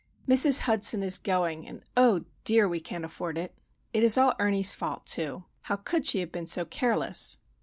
Mrs. Hudson is going, and, oh dear! we can't afford it. It is all Ernie's fault, too. How could she have been so careless!